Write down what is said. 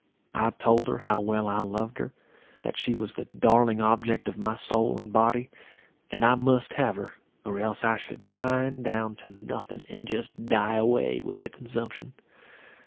I told her how well I loved her; that she was the darling object of my soul and body; and I must have her, or else I should pine down to nothing, and just die away with the consumption.